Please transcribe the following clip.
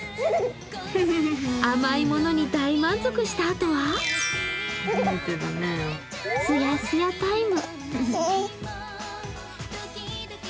甘いものに大満足したあとは、すやすやタイム。